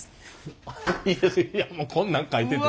いやいやもうこんなん描いてる。